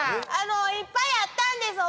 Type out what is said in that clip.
いっぱいあったんです